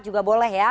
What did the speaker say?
juga boleh ya